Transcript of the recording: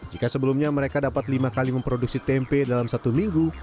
jika sebelumnya mereka dapat lima kali memproduksi tempe dalam satu minggu